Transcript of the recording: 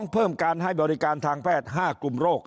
เพิ่มการให้บริการทางแพทย์๕กลุ่มโรค